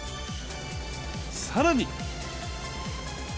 さらに。